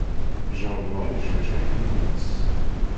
Jeṛṛebeɣ ijajiḥen-ines.